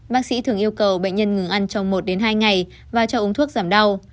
bác sĩ thường yêu cầu bệnh nhân ngừng ăn trong một hai ngày và cho uống thuốc giảm đau